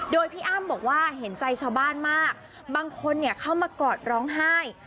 โดยพี่อ้ำบอกว่าเห็นใจชาวบ้านมากบางคนเข้ามากอดร้องไห้